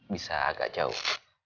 bisa agak jauh